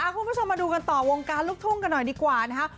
คุณผู้ชมมาดูกันต่อวงการลูกทุ่งกันหน่อยดีกว่านะคะ